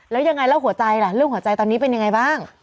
แล้วยังไงแล้วหัวใจล่ะเรื่องหัวใจตอนนี้เป็นยังไงบ้าง